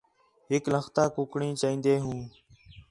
ہِک لختا کُکڑیں چائین٘دے ہوں